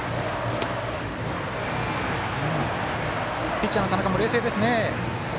ピッチャーの田中も冷静ですね。